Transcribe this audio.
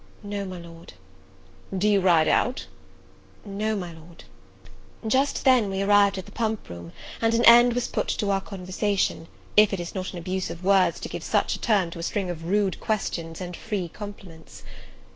"No, my Lord." "Do you ride out?" "No, my Lord." Just then we arrived at the pump room, and an end was put to our conversation, if it is not an abuse of words to give such a term to a string of rude questions and free compliments.